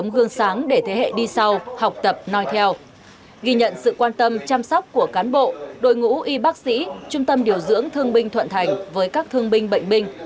ghi nhận sự quan tâm chăm sóc của cán bộ đội ngũ y bác sĩ trung tâm điều dưỡng thương binh thuận thành với các thương binh bệnh binh